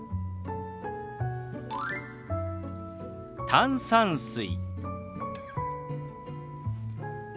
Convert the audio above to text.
「炭酸水」。